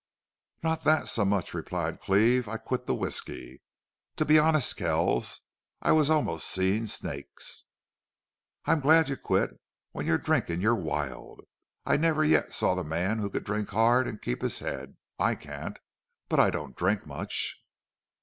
"Not that so much," replied Cleve. "I quit the whisky. To be honest, Kells, I was almost seeing snakes." "I'm glad you quit. When you're drinking you're wild. I never yet saw the man who could drink hard and keep his head. I can't. But I don't drink much."